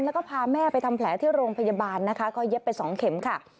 แล้วก็พาแม่ไปทำแผลที่โรงพยาบาลนะคะก็เย็บไปสองเข็มค่ะ